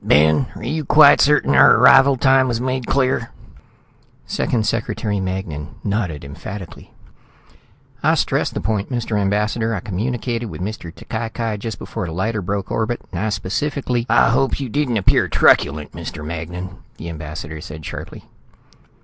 "Ben, are you quite certain our arrival time was made clear?" Second Secretary Magnan nodded emphatically. "I stressed the point, Mr. Ambassador. I communicated with Mr. T'Cai Cai just before the lighter broke orbit, and I specifically " "I hope you didn't appear truculent, Mr. Magnan," the ambassador said sharply.